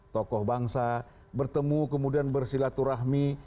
tokoh bangsa bertemu kemudian bersilaturahmi